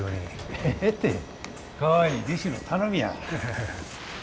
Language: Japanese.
ええてかわいい弟子の頼みや。